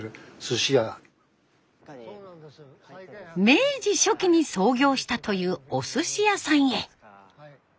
明治初期に創業したというおすし屋さんへ。